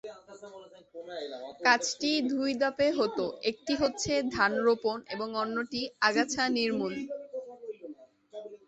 কাজটি দুই ধাপে হত একটি হচ্ছে "ধান রোপণ" এবং অন্যটি "আগাছা নির্মূল"।